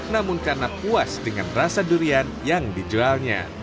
namun karena puas dengan rasa durian yang dijualnya